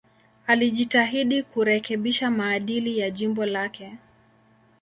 Alijitahidi kurekebisha maadili ya jimbo lake.